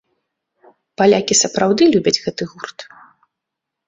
Палякі сапраўды любяць гэты гурт.